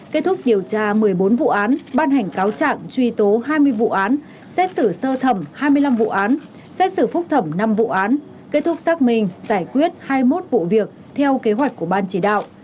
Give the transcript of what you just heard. kết thúc điều tra một mươi bốn vụ án ban hành cáo trạng truy tố hai mươi vụ án xét xử sơ thẩm hai mươi năm vụ án xét xử phúc thẩm năm vụ án kết thúc xác minh giải quyết hai mươi một vụ việc theo kế hoạch của ban chỉ đạo